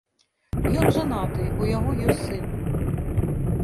Ён жанаты, у яго ёсць сын.